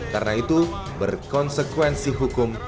karena itu berkonsekuensi hukum